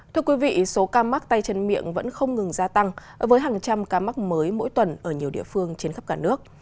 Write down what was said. thưa quý vị số ca mắc tay chân miệng vẫn không ngừng gia tăng với hàng trăm ca mắc mới mỗi tuần ở nhiều địa phương trên khắp cả nước